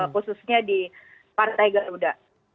khususnya di partai garuda